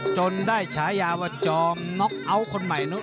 จนได้ฉายาว่าจอมน็อกเอาท์คนใหม่